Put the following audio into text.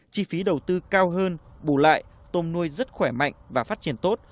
chi phí đầu tư cao hơn bù lại tôm nuôi rất khỏe mạnh và phát triển tốt